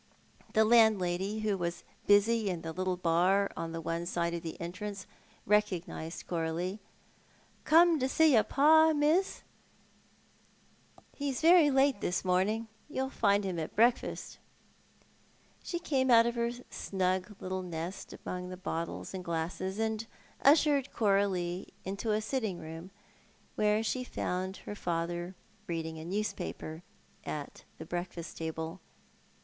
The landlady, who was busy in the little bar on one side of the entrance, recognised Coralie. "Come to see your pa, miss? ixo^a very late this morning. You'll find him at breakfast." She came out of her snug little nest among the bottles and glasses, and ushered Coralie into a sitting room where she found her father reading a newspaper at the breakfast table.